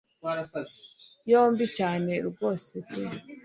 yombi cyane rwose pe